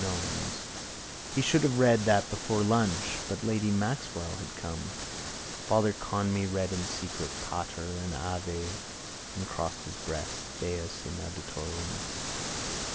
Nones. He should have read that before lunch. But lady Maxwell had come. Father Conmee read in secret Pater and Ave and crossed his breast. _Deus in adiutorium.